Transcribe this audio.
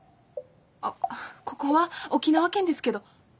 ここは沖縄県ですけど。